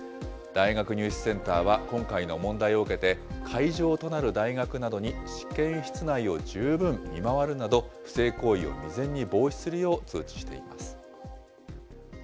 大学入試センターは、今回の問題を受けて、会場となる大学などに試験室内を十分見回るなど、不正行為を未然に防止するよう通知しています。